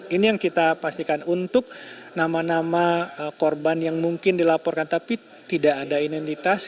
ini yang kita pastikan untuk nama nama korban yang mungkin dilaporkan tapi tidak ada identitas